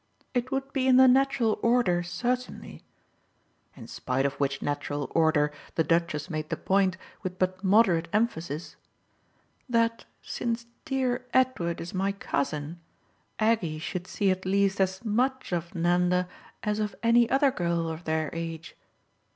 It would be in the natural order certainly" in spite of which natural order the Duchess made the point with but moderate emphasis "that, since dear Edward is my cousin, Aggie should see at least as much of Nanda as of any other girl of their age.